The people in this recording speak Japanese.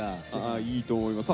あいいと思います。